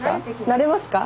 慣れますか？